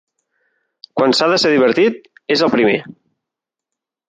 Quan s'ha de ser divertit, és el primer.